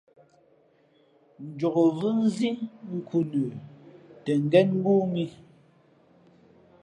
Njokvʉ́ nzí nkhǔ nə tα ngén ngóó mǐ.